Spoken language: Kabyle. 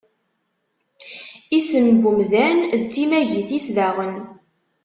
Isem n umdan d timagit-is daɣen.